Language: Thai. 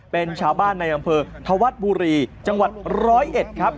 เป็นชาวบ้านในอำเภอธวัฒน์บุรีจังหวัดร้อยเอ็ดครับ